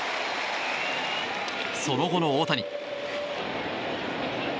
その後の大谷。